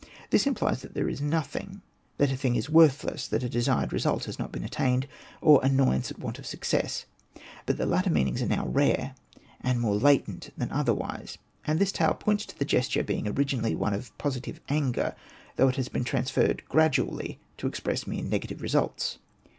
This implies that there is nothing, that a thing is worthless, that a desired result has not been attained, or annoyance at want of success ; but the latter meanings are now rare, and more latent than otherwise, and this tale points to the gesture being originally one of positive anger, though it has been transferred gradually to express mere negative results.